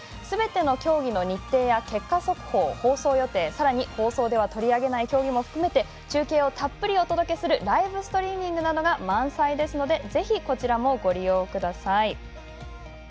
すべての競技の日程や結果速報放送予定、さらに放送では取り上げない競技も含めて中継をたっぷりお届けするライブストリーミングなども満載ですので、ぜひこちらもご利用ください。